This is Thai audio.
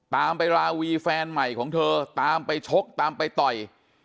ตามไปราวีแฟนใหม่ของเธอตามไปชกตามไปต่อย